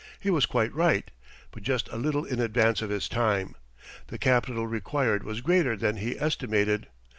He was quite right, but just a little in advance of his time. The capital required was greater than he estimated.